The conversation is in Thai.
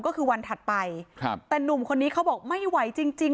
ก็คือวันถัดไปครับแต่หนุ่มคนนี้เขาบอกไม่ไหวจริงจริง